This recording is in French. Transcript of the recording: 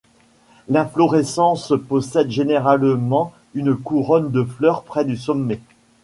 L'inflorescence possède généralement une couronne de fleur près du sommet..